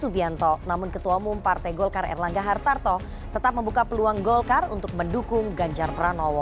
bukan ke koalisnya mas genjar itu kenapa